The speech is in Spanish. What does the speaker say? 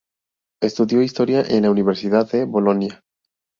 Estudió historia en la Universidad de Bolonia.